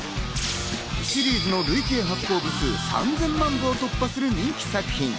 シリーズの累計発行部数３０００万部を突破する人気作品。